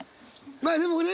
まあでもね